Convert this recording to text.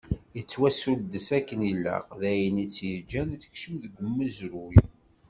Tettwasuddes akken ilaq, d ayen i tt-yeǧǧan ad tekcem deg umezruy.